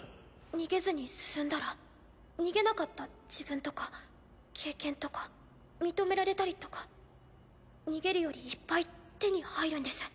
逃げずに進んだら逃げなかった自分とか経験とか認められたりとか逃げるよりいっぱい手に入るんです。